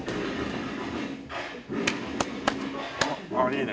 あっいいね。